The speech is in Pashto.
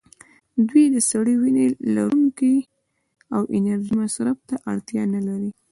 دوی د سړې وینې لرونکي دي او د انرژۍ مصرف ته اړتیا نه لري.